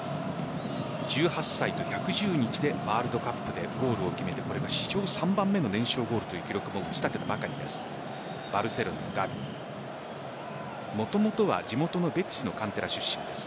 １８歳と１１０日でワールドカップでゴールを決めてこれが史上３番目の年少ゴールという記録も打ち立てたばかりです。